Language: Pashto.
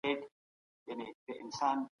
زه هڅه کوم چې خپل وړتيا وکاروم.